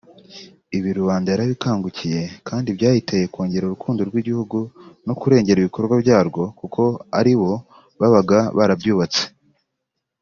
Ibi rubanda yarabikangukiye kandi byayiteye kwongera urukundo rw’igihugu no kurengera ibikorwa byarwo kuko alibo babaga barabyubatse